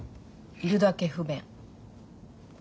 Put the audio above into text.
いるだけ不便。